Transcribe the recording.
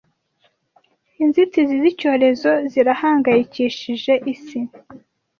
Inzitizi z’icyorezo zirahangayikishije isi